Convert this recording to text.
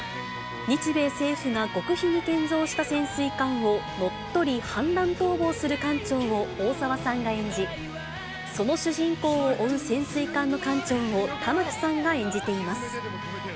日米政府が極秘に建造した潜水艦を乗っ取り、反乱逃亡する艦長を大沢さんが演じ、その主人公を追う潜水艦の艦長を玉木さんが演じています。